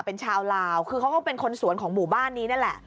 เป็นชาวลาวคือเขาก็เป็นคนสวนของหมู่บ้านนี้นั่นแหละ